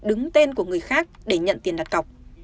đứng tên của người khác để nhận tiền đặt cọc